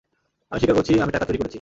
আমি স্বীকার করছি আমি টাকা চুরি করেছি।